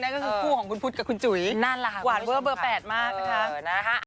นั่นก็คือคู่ของคุณพุทธกับคุณจุ๋ยหวานเวอร์เบอร์๘มากนะคะนั่นแหละคุณผู้ชมค่ะ